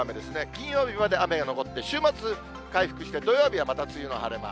金曜日まで雨が残って、週末、回復して、土曜日はまた梅雨の晴れ間。